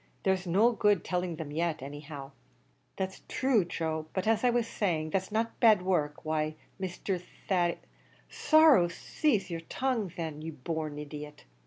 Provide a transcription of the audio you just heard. there's no good telling them yet, any how." "That's thrue, Joe; but as I was saying, that's not bad work; why, Mr. Thady " "Sorrow saze yer tongue, thin, ye born idiot!"